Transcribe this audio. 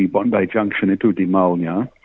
bondi junction itu di malnya